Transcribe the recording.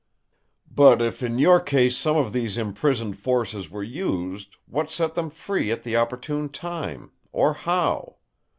"But if in your case some of these imprisoned forces were used, what set them free at the opportune time, or how?